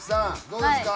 どうですか？